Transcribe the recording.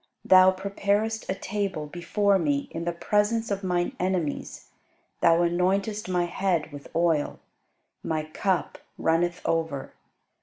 Thou preparest a table before me in the presence of mine enemies: Thou anointest my head with oil; my cup runneth over.